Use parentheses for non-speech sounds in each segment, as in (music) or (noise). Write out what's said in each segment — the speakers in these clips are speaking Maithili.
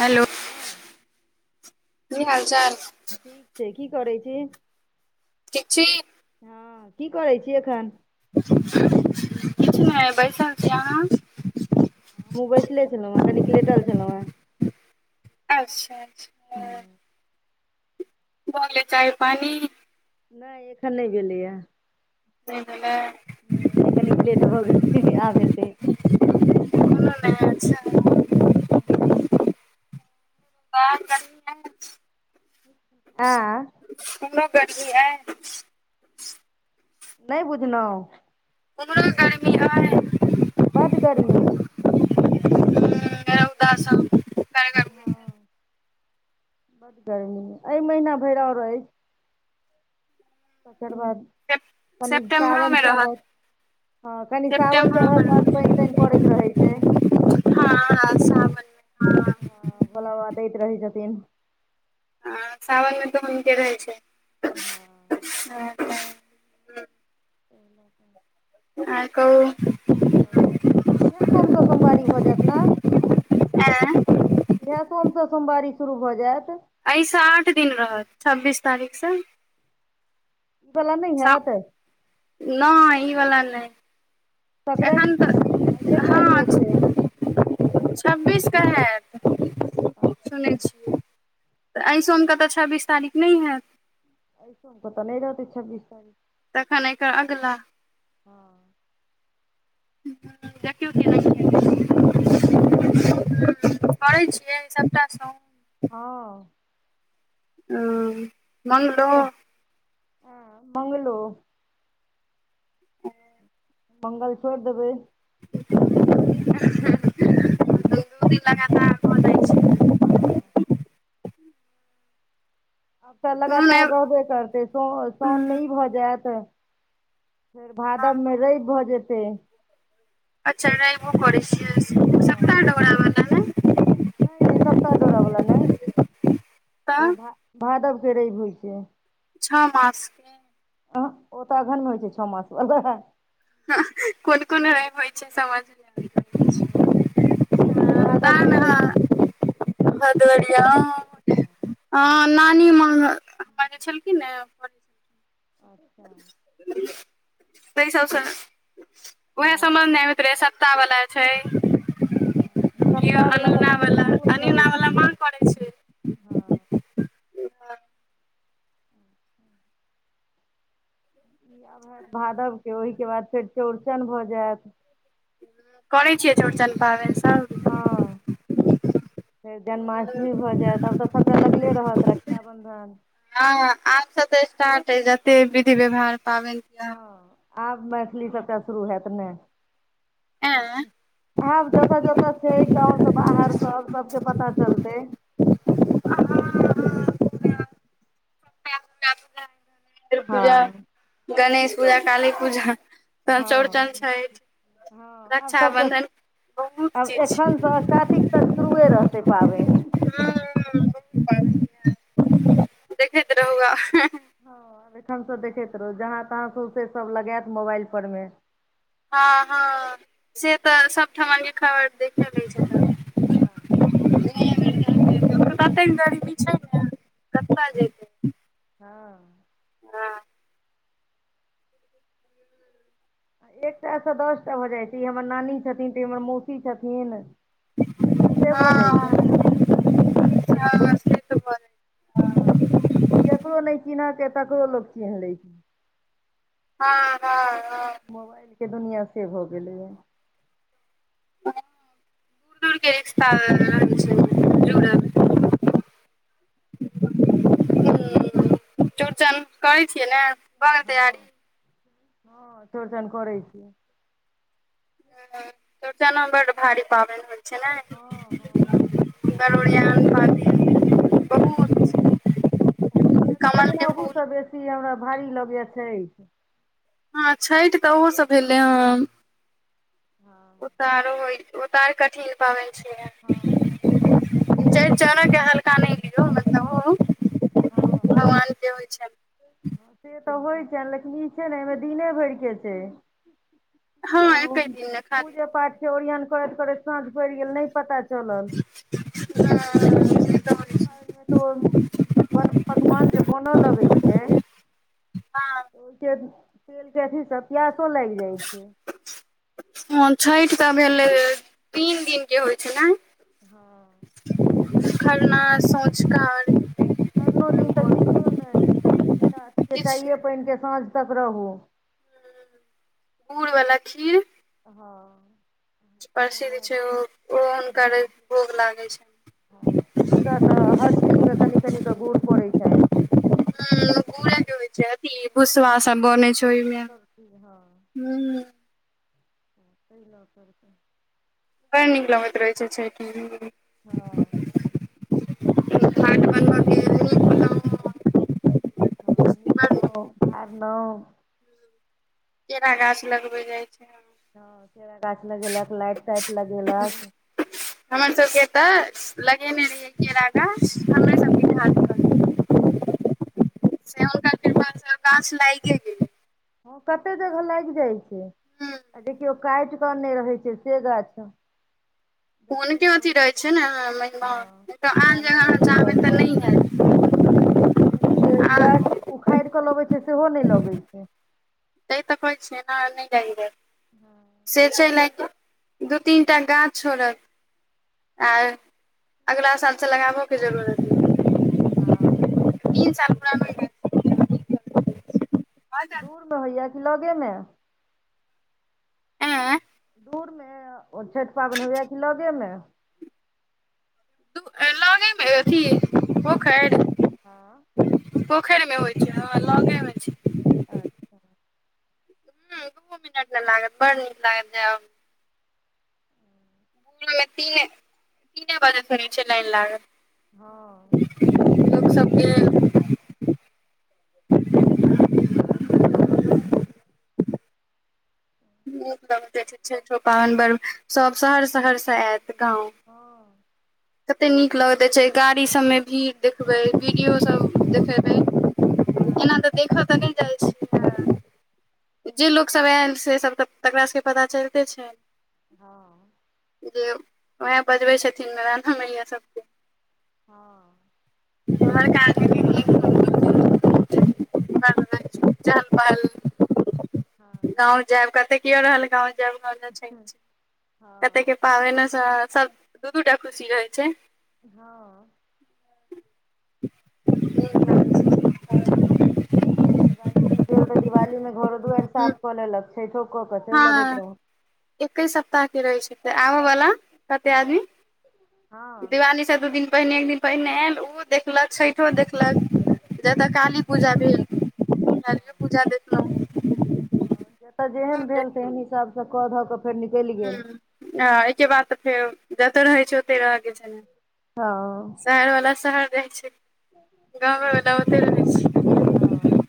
हेलो हँ कि हाल चाल। ठीक छैय की करै छी। ठीक छी। हँ की करै छी एखन। किछ नय बैसल छी। आहाँ। हमहूँ बैसले छलहु हैं कनिक लेटल छलहुँ हेँ। अच्छा -अच्छा। हँ, भऽ गेलैय चाई पानी? नही एखन नहि गेलैए, नैय भेलैय? नहि अखन निकले के भ गेल, अ जेते। हमरो हँ (unintelligible) बर कर (unintelligible) आ, हुनो गरमी ह? नै बुझल हु? उम्हरो (unintelligible) गरमी अइ। बड्ड गर्मी, रौदा सब कड़गर हँ बड गर्मी अइ महीना भरि रही, तकर बाद, सेप कनि सेप्टेम्बरो सावन मे रहत चढ़त ह कनि सावन सेप्टेम्बरो मे चढ़त रहै नै। फेन पड़ैत रहै छै, हँ हँ सावन हँ हँ भोला बाबा दैत रहै छथिन, आ सावन मे तऽ हुनके रहै हँ छै। ओ ल ह (unintelligible) और कहु? और सब ठीके इएह सोम सऽ सोमवारी भऽ जायत न? आँय इएह सोम सऽ सोमवारी शुरू भऽ जैत। अइ साठ दिन रहत छब्बीस तारीख सँ। ई बला ने हैत, नै ई वला नै संक्रैत तऽ आइये काइल मे छै। छब्बीस कऽ हैत अच्छा सुनै छियै, तऽ अइ सोम कऽ तऽ छब्बीस तारीख नै हैत, ऐ सोम क तऽ नै रहतै छब्बीस तारीख। तखन एकर अगला। हँ ते क (unintelligible) (unintelligible) करै छियै सबटा सोम हँ हँ हमरा तऽ हँ मंगलो, मंगल छोड़ि देबै, एक दू दिन लगा (unintelligible) हँ आब तऽ कोनो नहि लगातार रहबे करतै सो साउन मे ई भऽ जैत। फेर हँ भादव मे रैव भऽ जेतै। अच्छा रैवो करै छियै। हँ सप्ताह (inaudible) नै -नै सप्ताह डोरा बला नैय। ओ तऽ भा-भादव के रवि होइ छै। छह मासके। अ ओ तऽ अगहन मे होइ छै, छह मास बला। हँ कोन -कोन रैव होइ छै, समझ नै भादव आवैत रहय छै। (unintelligible) के रहे ह आ ने हद हँ हँ नानी माँ, हमरा जे छेलखिन ने। अच्छा! तै सबसँ उएह हँ समान मे प्रेषकता बाला छै। हँ, केओ सप्ताह बला तऽ अनुना वाला फागुनमे होइ अनुना वाला छै, माँ करै छै हँ। आब होयत भादव के, ओहिके बाद फेर चौड़चन भऽ जायत। करै छियै चौड़चन पाबनि हँ सभ। फेर जन्माष्टमी भऽ जायत, आब तऽ सभटा लगले रहत, रक्षाबन्धन। हँ आबसँ तऽ स्टार्ट अइ, जते विधि हँ व्यवहार, पाबनि तिहार। हँ आब मैथिली सबटा शुरू होयत ने, तिहार आब जतऽ जाउ जे सब छै गाँंव से बाहर सब, सबके पता चलतै। एं पूजा, हँ गणेश पूजा, काली पूजा, तहन चौरचन हँ छै। हँ आब सबटा रक्षाबन्धन बहुत आब चीज एखनसँ कातिक छै। तक शुरुए रहतै पाबनि। देखैत रहु आब। हँ, एखन से देखैत रहू जहाँ -तहाँ से सब लगायत मोबाइल पर मे। हँ -हँ से तऽ सबठमनके खबर देखे लै छियै। हँ। ओ कतेक ने गरीबी छै ने, कतऽ जेतै। हँ। ह। एकटा से दस टा भऽ जाइ छै, ई हमर नानी छथिन, तऽ ई हमर मौसी छथिन। से भऽ जाइ छै ने। हँ से तऽ बड़ हँ, जकरो नहि चिन्हत, तकरो लोक चिन्ह लै छै। हँ- हँ- हँ। मोबाइलके दुनिआँ से भऽ गेलैये। ओ दूर दूरके रिश्ता लगै छै। चौड़चन करै छियै ने? भ गेल तैयारी। हँ हँ चौड़चन करै छियै। ह त चौरचनो बड्ड भारी पाबनि होइ छै हँ हँ ने। बड़ बढ़ियाॅं भादब मे बहुत छै। (inaudible) होइ त छै लेकिन अहूसँ बेसी, हमरा भारी लगैये छैठ। हँ छठि तऽ ओहो से भेलै हँ। हँ। ओ त आरो ह, ओ त आरो कठिन पाबनि छै। हँ चौरचनो केहल्का नहि लियौ, मतलब हँ। भगवान के होइ छै से तऽ होय छैन लेकिन ई छै नै एमे दिने भर के छै। हँ त ओ एके दिन मे खाली पूजे पाठ के ओरियन करैत-करैत साँझ पड़ गेल नै पता चलल। हां ई तै छैठ पाबैन मे त ओ बन पकवान जे बना लगै छै ओय के तेल के अथी से प्यासो लाएग जाइ छै। हां छैठ तऽ भेलै तीन दिन के होय छै नै। हां। खरना, सोझका अर्घ खरनो दिन तऽ किछो नै बिना किछु चाये पैन के साँझ तक रहू। गुड़ वाला खीर हां। प्रसिद्ध छै ओ ओ हुनकर भोग लागै छै। हां हुनका तऽ हर चीज मे कनि-कनि क गूड़ पड़ै छैन। हुं गूड़े के होइ छै अथी भुसबा सब बनै छै। (unintelligible) में हुं। हां तै ल करके। बड़ नीक लगैत रहै छैठ में। हां। घाट बनबऽ के नीक बनाउ हां निपनौ, बहारलौ। केरा गाछ लगबै जाय छै हां। हां केरा गाछ लगैलक, लाइट-ताइट लगेलक। हमर सबके ऐतऽ लगेने रहिए केरा गाछ हमरे सबके घाट पर अच्छा। चाएर-पांचटा गाछ लागै गेलै। हां कते जगह लाएग जाइ छै। हूं। आ देखियौ काएट के अन्ने रहै छै से गाछ देखियौ हुनके अथी भगवती रहै छै नै मेहमा नै तऽ हँ आन राना जगह माइ के अहां (unintelligible) महिमा तऽ नै है हैत। ह आ एना जे गाछ उखाएड़ केऽ लगे छै सेहो नै लगै छै। तै तऽ कहै छियै ऐना नै लाएग जाए छै। हां। से छै लए कै दू तीनटा गाछ छोड़त आ अगला साल से लगाबो के जरूरत नै। हां। तीन साल पुरा मिल जाए दूर मे होय यै कि लगे मे? ऐं दूर मे ओ छैठ पाबैन होय यै कि लगै मे? दु अ लगे मे अ अथी पोखैर हां। पोखैर मे होय छै, हां लगै मे छै। अच्छा। हां दूवो मिनट नै लागत बड़ नीक लागत जाए आबै में। ओएमे तीने, तीने बजे स रहै छै लाइन लागल। हँ लोक सबके (unintelligible) नलब छ छे। छैठ पाबनि पर्व सब शहर शहर से आत गाँव हँ कते नीक लगैत रहै छै। गाड़ी सबमे भीड़ देखबै, वीडियो सब देखेबै। एना तऽ देखऽ तऽ नहि जाइ छै। जे लोक सभ आयल से सब तऽ तकरा सबके पता चलिते छै। हँ जे उएह बजबै छथिन रान्हा मैया सभके। हँ (unintelligible) हमर क (unintelligible) जान पहल हँ (inaudible) गाँव जायब कते के रहल गाँव जायब (unintelligible) क के पाबैनो सऽ, सब दू दूटा खुशी रहै छै। हँ नीक लगै हम दिवालीमे गेल रही, दिवालीमे घरो दुआरि छै साफ कऽ लेलक, छठिओ कऽ कऽ चलि अबैत रहौ। एकै सप्ताह के रहै छै, ते आबऽ बला, कते आदमी, दिवाली स दू दिन पहिने एक दिन पहिने आयल, उ ओ देखलक छइठो देखलक। जतऽ काली पूजा भेल, कालियो पूजा देखलहुँ। ह जतऽ जेहन भऽ भेल, तेहन हिसाबसँ कऽ धऽ कऽ फेर निकलि गेल ह्म ह एहिके बाद तऽ फेर जतय रहै छै ओतहि रहके छै ने। हँ। शहर बला शहर रहै छै। गाँवे बला ओते रहै छै। हँ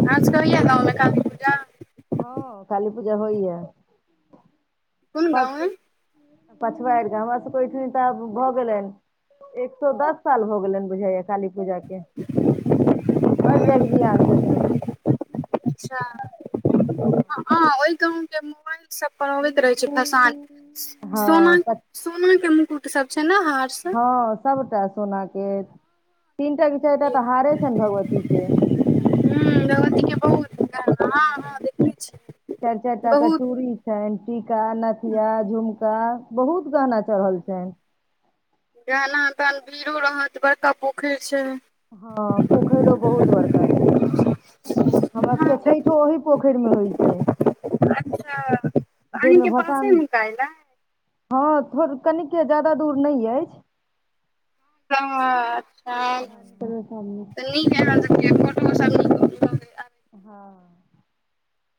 आहाँ सबके होइया गाँव में काली पूजा हँ काली पूजा होइय। कोन हमर गाँव अइ पछवाआरि गाम, हमरा सबके ओहिठिन तऽ आब भऽ गेलनि। एक सौ दस साल भ गेलाइन बुझाय य। काली पूजा के। बड जग जी आन छथिन्ह। अच्छा। हँ आ ओहि गाँव के मोबाइल सब पर अबैत रहै छै भसान। सोना हँ सोना के मुकुट सब छै ने? हार सब? हँ सबटा सोना के। तीनटा चाइर टा ह तऽ हारे छनि भगवती के। चूड़ी भगवती के बहुत गहना हँ हँ देखै छी चारि चारि टा क बहुत चूड़ी छैन, टीका नथिया झुमका त बहुत गहना चढ़ल छैन। जेन त तहन भीड़ो रहत बड़का पोखरि छै। हँ पोखरि त बहुत बड़का छै। हमर हँ सबके देख, छइठो ओहि पोखरि मे होइ छै। अच्छा अहींके जहिमे पासे भसान मे काइल अइ हँ थोड़, कनिके ज्यादा दूर नहि अछि। ह (unintelligible) (unintelligible) ब कर शामने। नीक आ आहाँ सबके, फोटो सब निक हँ।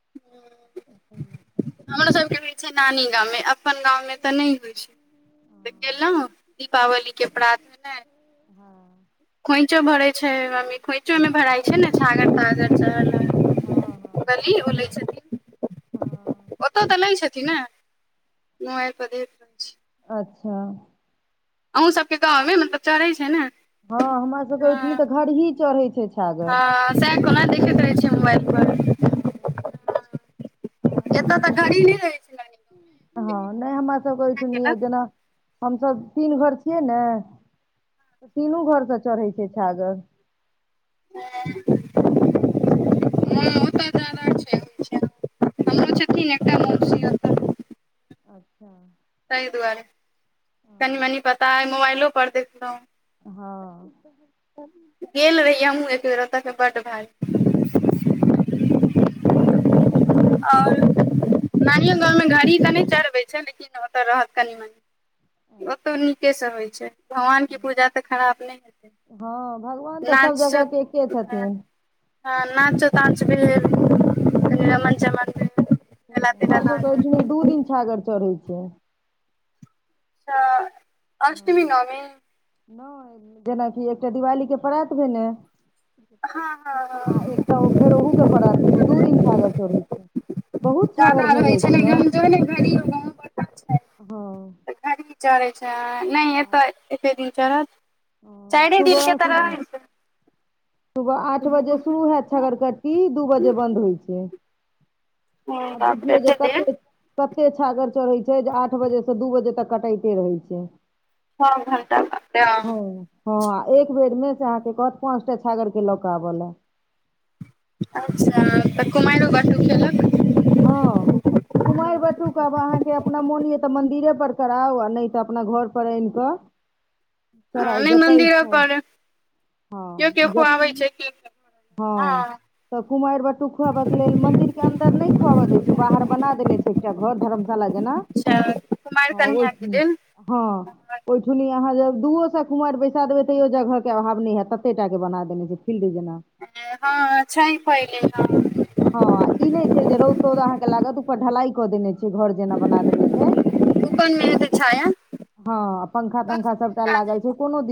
हू। ओहि लऽ कऽ हमरो सबके होए छै। नानी गाममे अपन गाँवमे तऽ नहि होइ छै। गेलऊ दीपावली के प्रात। खोंइछो भरे छै मम्मी खोंइछो में भराई छै ने छागर-तागर। चल हँ हँ गली ओ लै छथिन। ओतऽ तऽ लै छथिन ने मोबाइल बइ पर देत अच्छा। अहु सबके गाँवमे मतलब चढ़ै छै ने। हँ हमरा सबके ओहिठाम हँ तऽ घरही चढ़ै छै छागर। सेह कौन देखैत रहै छियै मोबाइल पर ह आ। एत तऽ गाड़ी नहि रहै छैलानी। हँ नहि हमा सब के ओइठनी ओ केलक जेना हमसब तीन घर छियै ने तीनू घरसँ चढ़ै छय। छागर। ह। सब घर सऽ। ओतऽ जादा छै होइ छै। हमरो छथिन एकटा मौसी अच्छा। तैय दुआरे कनी-मनी पता अए मोबाइलो पर देखलौ हँ। गेल रहियै हमहूँ एकबेर ओतऽ के बड्ड भाड़ी। अच्छा। और नानिय गाँवमे घरही तऽ नहि चढ़बै छै लेकिन ओतऽ रहत कनि-मनी। ओतउ नीकेसँ होइत छै भगवानके पूजा तऽ खराब नहि हैत हँ भगवान तऽ सब जगहके एके हँ छथिन। हँ नाचो ताच भैल कनि रमन-चमन भैल मेला-तेला लागल। नहि दू दिन। छागर चढ़ै छैय। अच्छा अष्टमी नौमी। नहि जेना की एकटा दिवालीके प्रात भेने। हँ हँ आ हँ एकटा ओ फेर ओहू के पड़ात भेने दू दिन छागर चोरहय छै बहुत छागर जादा भऽ रहै जाइ छै ने गाम जो घड़ी गाँव बड़का छै हँ। तऽ घड़ी चढ़ै छै नहि एत एके दिन चढ़त हँ, चारे दिन सुबह के तऽ रहै छै। सुबह आठ बजे शुरू हेत छगरकट्टी दू बजे बन्द होइ छै। आब बाप रे बुझियौ जे एते कते देर कते छागर चढ़ैत छै जे आठ बजेसँ दू बजे तक कटाइते रहै छै। छः घंटा (unintelligible) ह हँं आ एक बेड़ मे से अहाँ के कहत पांचटा छागर के लऽ कऽ आब ले अच्छा तऽ कुमायरो बाटूक खैलक। हँ कुमारि बटूक आब अहाँके अपना मोन यऽ तऽ मंन्दिरे पर कराउ आ नहि तऽ अपना घर पर आनि कऽ ह कराउ नहि जतऽ मन्दिरो इच्छा पर हँ कियो-कियो ज खुआबई छै कियो- हँ तऽ कुमारि बटूक खुआबऽ के लेल, मंदिर के अन्दर नहि खुआबऽ दै छै, बाहर बना देने छै एकटा घर धरम शाला जेना अच्छा कुमारि हँ कन्या ओहिठ के लेल हँ। ओहिठुनी अहाँ जब दूओ स कुमारि बैसा देबै, तैयो जगह के अभाव नहि हैत तत्ते टा के बना देने छै फील्ड जेना हँ-हँ छै पहिल हँ हँ ई नहि छै जे रौंद-तौंद अहाँ के लागत ऊपर ढलाई कऽ देने छै घर जेना बना देने छै। दुकान मे हेतै छाया हँ बस पंखा-तंखा ओकरे सबटा काजे लागल छै कोनो दि